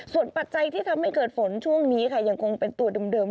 ส่วนปัจจัยที่ทำให้เกิดฝนช่วงนี้ค่ะยังคงเป็นตัวเดิม